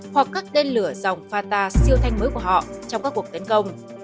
hoặc các tên lửa dòng fata siêu thanh mới của họ trong các cuộc tấn công